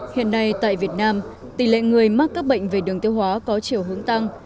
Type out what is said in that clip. hiện nay tại việt nam tỷ lệ người mắc các bệnh về đường tiêu hóa có chiều hướng tăng